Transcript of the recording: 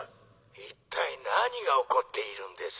一体何が起こっているんです？